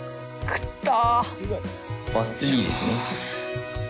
食った！